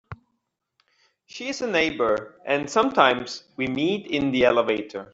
She is a neighbour, and sometimes we meet in the elevator.